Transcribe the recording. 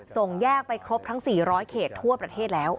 ส่งแยกไปครบทั้ง๔๐๐เขตทั่วประเทศแล้ว